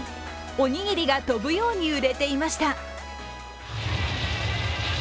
おにぎりが飛ぶように売れていました。